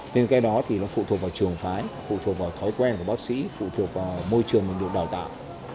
nên cái đó thì nó phụ thuộc vào trường phái phụ thuộc vào thói quen của bác sĩ phụ thuộc vào môi trường mà được đào tạo